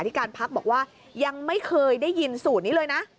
ที่การพักบอกว่ายังไม่เคยได้ยินสูตรนี้เลยนะ